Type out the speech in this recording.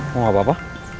mau gak apa apa